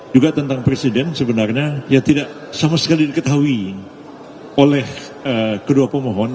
juga tentang presiden sebenarnya ya tidak sama sekali diketahui oleh kedua pemohon